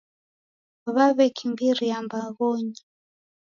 W'aw'ekimbiria mbaghonyi.